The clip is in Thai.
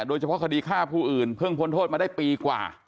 โดยเฉพาะคดีฆ่าผู้อื่นเพิ่งพ้นโทษมาได้ปีกว่า